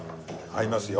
合いますよ。